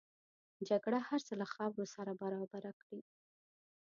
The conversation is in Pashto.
جګړه هر څه له خاورو سره برابر کړي